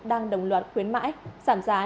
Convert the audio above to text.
đang đồng loạt khuyến mãi giảm giá